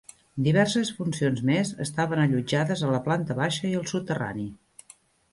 Diverses funcions més estaven allotjades a la planta baixa i al soterrani.